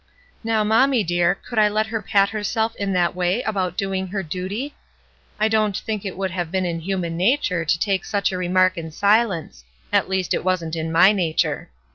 Now, mommy dear, could I let her pat herself in that way about doing her duty? I don't think it would have been in human nature to take such a remark in silence; at least it wasn't in my nature.